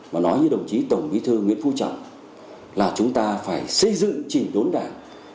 mà nói như đồng chí tổng bí thư nguyễn phú trọng là chúng ta phải xây dựng trình đốn đảng